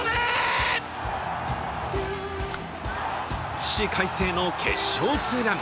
起死回生の決勝ツーラン。